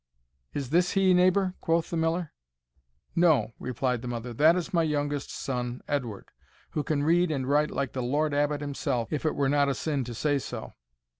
"Is this he, neighbour?" quoth the Miller. "No," replied the mother; "that is my youngest son, Edward, who can read and write like the Lord Abbot himself, if it were not a sin to say so."